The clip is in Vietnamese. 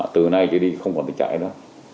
từ nay chứ đi không còn phải chạy nữa